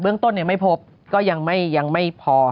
เรื่องต้นไม่พบก็ยังไม่พอ